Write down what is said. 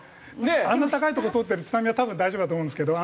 あんな高いとこ通ってる津波は多分大丈夫だと思うんですけど。